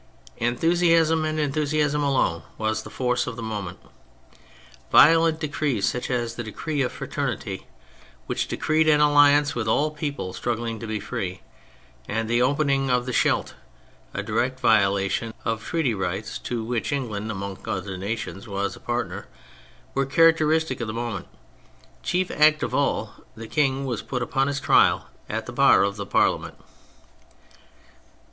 Enthusiasm, and enthusiasm alone, was the force of the moment. Violent decrees such as the Declaration of Fraternity (which decreed an alliance with all people struggling to be free) and the opening of the Scheldt (a direct violation of treaty rights to which England, among other nations, was a partner) were characteristic of the moment; chief act of all, the King was put upon his trial at the bar of the Parliament.